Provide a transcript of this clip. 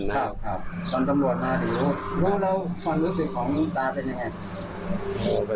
ครับครับตอนตำรวจมาเดี๋ยวรู้แล้วความรู้สึกของตาเป็นยังไง